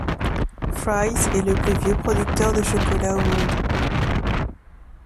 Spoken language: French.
Fry's est le plus vieux producteur de chocolat au monde.